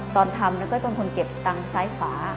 ตอนทำก็ให้บางคนเก็บตังค์ซ้ายขวา